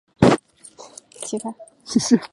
求米草粉虱为粉虱科草粉虱属下的一个种。